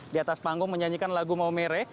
di atas panggung menyanyikan lagu maumere